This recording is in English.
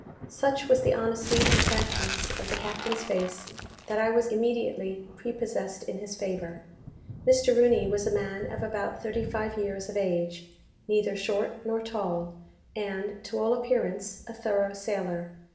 Such was the honesty and frankness of the captain's face, that I was immediately prepossessed in his favour. Mr. Rooney was a man of about thirty five years of age, neither short nor tall, and, to all appearance, a thorough sailor.